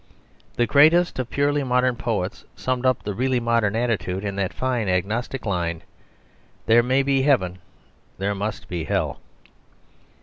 The greatest of purely modern poets summed up the really modern attitude in that fine Agnostic line "There may be Heaven; there must be Hell."